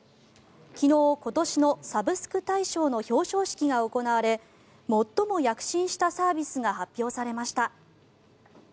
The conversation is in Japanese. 昨日、今年のサブスク大賞の表彰式が行われ最も躍進したサービスが発表されました。